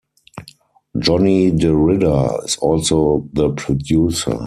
Johnny De Ridder is also the producer.